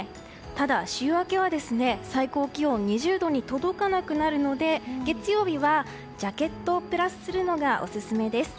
ただ、週明けは最高気温２０度に届かなくなるので月曜日はジャケットをプラスするのがオススメです。